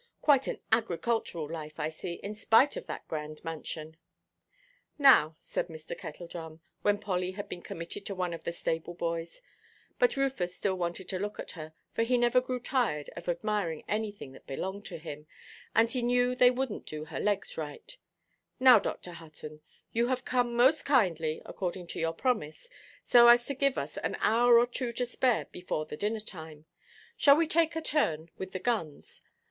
Quite an agricultural life, I see, in spite of that grand mansion." "Now," said Mr. Kettledrum, when Polly had been committed to one of the stable–boys—but Rufus still wanted to look at her, for he never grew tired of admiring anything that belonged to him, and he knew they wouldnʼt do her legs right—"now, Dr. Hutton, you have come most kindly, according to your promise, so as to give us an hour or two to spare before the dinner–time. Shall we take a turn with the guns?